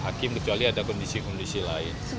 hakim kecuali ada kondisi kondisi lain